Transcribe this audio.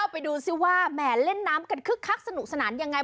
ไปดูซิว่าแหมเล่นน้ำกันคึกคักสนุกสนานยังไง